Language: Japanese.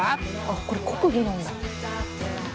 あっこれ国技なんだ。